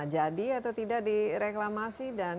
karena kita tidak direklamasi dan